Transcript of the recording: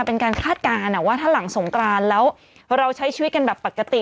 เป็นการคาดการณ์ว่าถ้าหลังสงกรานแล้วเราใช้ชีวิตกันแบบปกติ